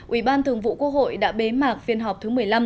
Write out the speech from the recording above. ubthqh đã bế mạc phiên họp thứ một mươi năm